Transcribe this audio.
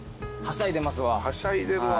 はしゃいでるわ。